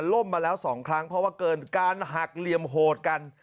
มาแล้ว๒ครั้งเพราะว่าเกิดการหักเหลี่ยมโหดกัน